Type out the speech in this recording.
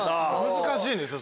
難しいですよ